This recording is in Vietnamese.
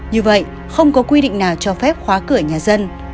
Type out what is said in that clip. như vậy không có quy định nào cho phép khóa cửa nhà dân